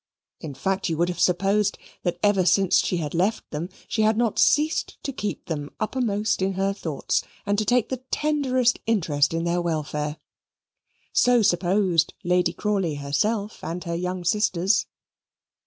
In fact you would have supposed that ever since she had left them she had not ceased to keep them uppermost in her thoughts and to take the tenderest interest in their welfare. So supposed Lady Crawley herself and her young sisters.